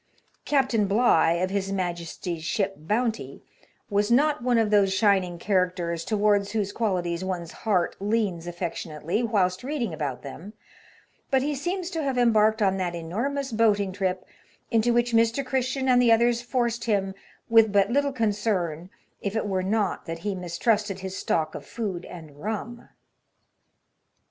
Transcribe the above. Captain Bligh, of his Majesty's ship Bounty^ was not one of those shining characters towards whose qualities one's heart leans affectionately whilst reading about them ; but he seems to have embarked on that enormous boating trip, into which Mr. Christian and the others forced him, with but little concern, if it were not that he mistrusted his stock of food and rum.